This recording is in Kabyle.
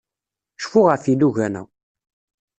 Cfu ɣef yilugan-a.